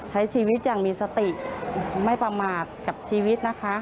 ใช้ชีวิตอย่างมีสติไม่ประมาทกับชีวิตนะคะ